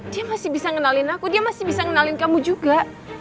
dia masih bisa ngenalin aku dia masih bisa ngenalin kamu juga